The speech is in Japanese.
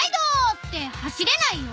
って走れないよ。